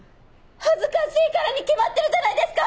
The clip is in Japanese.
恥ずかしいからに決まってるじゃないですか！